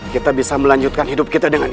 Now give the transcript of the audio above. kita bisa melanjutkan hidup kita dengan